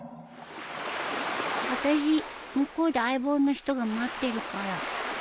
あたし向こうで相棒の人が待ってるから。